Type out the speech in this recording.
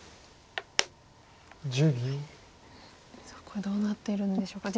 これどうなっているんでしょうか。